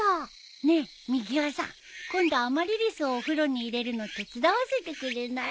ねえみぎわさん今度アマリリスをお風呂に入れるの手伝わせてくれない？